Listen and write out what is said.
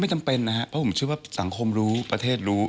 จำเป็นนะครับเพราะผมเชื่อว่าสังคมรู้ประเทศรู้